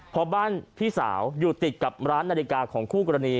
เพราะบ้านพี่สาวอยู่ติดกับร้านนาฬิกาของคู่กรณี